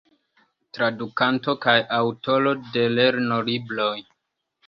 Tradukanto kaj aŭtoro de lernolibroj.